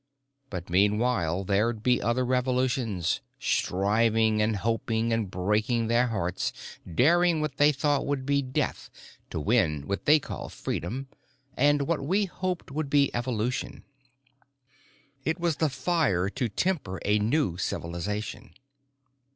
But meanwhile there'd be other revolutions striving and hoping and breaking their hearts daring what they thought would be death to win what they called freedom and what we hoped would be evolution. It was the fire to temper a new civilization.